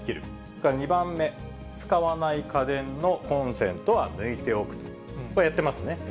それから２番目、使わない家電のコンセントは抜いておくと、これはやってますね。